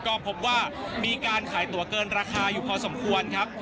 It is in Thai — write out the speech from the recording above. ก็พบว่ามีการขายตัวเกินราคาอยู่พอสมควรครับ